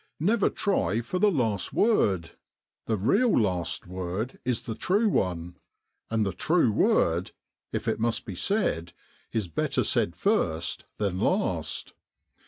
" Never try for the last word. The real last word is the true one ; and the true word, if it must be said, is better said first than last.